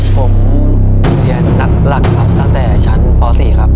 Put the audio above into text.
ผมเรียนนักหลักครับตั้งแต่ชั้นป๔ครับ